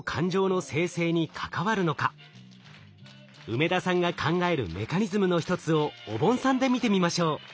梅田さんが考えるメカニズムの一つをおぼんさんで見てみましょう。